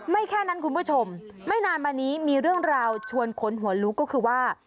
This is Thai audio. แค่นั้นคุณผู้ชมไม่นานมานี้มีเรื่องราวชวนขนหัวลุกก็คือว่า